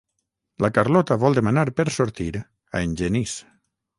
La Carlota vol demanar per sortir a en Genís.